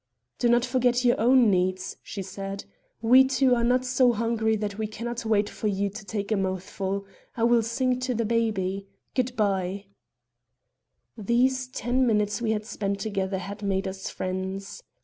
"Do not forget your own needs," she said. "We two are not so hungry that we can not wait for you to take a mouthful. I will sing to the baby. Good by." These ten minutes we had spent together had made us friends.